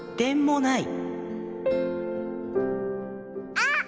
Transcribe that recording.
あっ！